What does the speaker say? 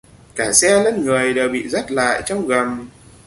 cả xe lẫn người đều bị rắt lại trong gầm